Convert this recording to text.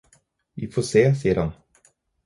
Vi får se, sier han.